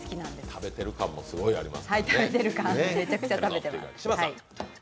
食べてる感もすごいあります。